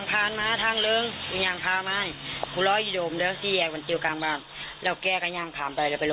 ผมทำอย่างน้องนี่หน่อยผมถามแบบนี้กับเมฆษาอาหาร